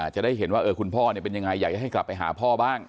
จะได้เห็นว่าคุณพ่อเป็นยังไงอยากจะให้กลับไปหาพ่อบ้าง